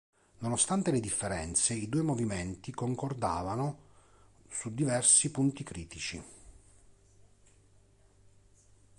Nonostante le differenze i due movimenti concordavano su diversi punti critici.